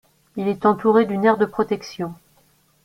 Il est entouré d'une aire de protection.